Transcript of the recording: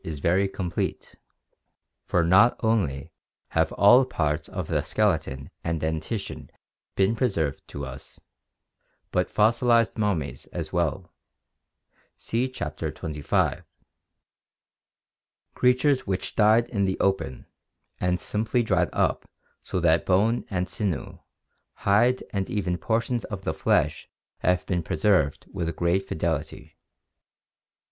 60. — Galapagos si is very complete, for not only have all parts of the skeleton and dentition been preserved to us, but fossilized mummies as well (see Chapter XXV), creatures which died in the open and simply dried up so that bone and sinew, hide and even portions of the flesh have been preserved with great fidelity.